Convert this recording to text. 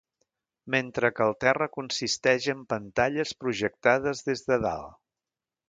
Mentre que el terra consisteix en pantalles projectades des de dalt.